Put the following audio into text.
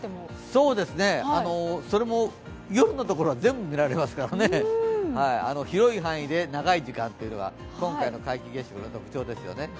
それも夜のところは全部見られますから、広い範囲で長い時間というのが今回の皆既月食の特徴ですね。